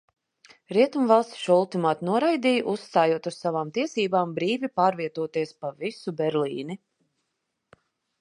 Rietumvalstis šo ultimātu noraidīja, uzstājot uz savām tiesībām brīvi pārvietoties pa visu Berlīni.